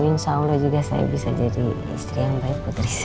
insya allah juga saya bisa jadi istri yang baik putri saya